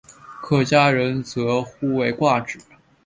客家人则呼为挂纸。